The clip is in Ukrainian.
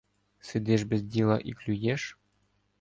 Сидиш без діла і клюєш?